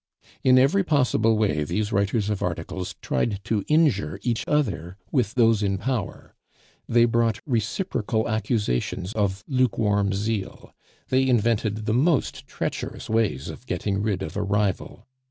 In every possible way these writers of articles tried to injure each other with those in power; they brought reciprocal accusations of lukewarm zeal; they invented the most treacherous ways of getting rid of a rival.